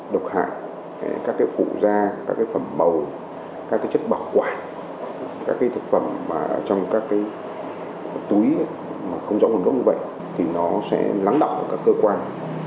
độc hại các cái phụ da các cái phẩm màu các cái chất bảo quản các cái thực phẩm trong các cái túi mà không rõ hoàn gốc như vậy thì nó sẽ lắng động các cơ quan